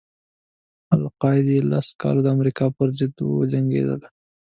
القاعده یې لس کاله د امریکا پر ضد وجنګېدله.